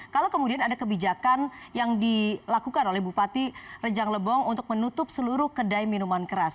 kalau kemudian ada kebijakan yang dilakukan oleh bupati rejang lebong untuk menutup seluruh kedai minuman keras